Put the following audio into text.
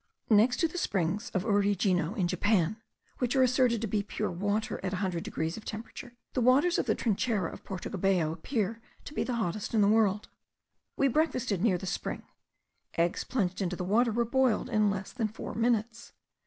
Next to the springs of Urijino, in Japan, which are asserted to be pure water at 100 degrees of temperature, the waters of the Trinchera of Porto Cabello appear to be the hottest in the world. We breakfasted near the spring; eggs plunged into the water were boiled in less than four minutes.